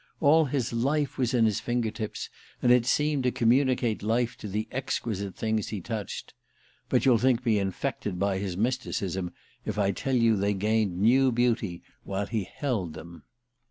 All his life was in his finger tips, and it seemed to communicate life to the exquisite things he touched. But you'll think me infected by his mysticism if I tell you they gained new beauty while he held them...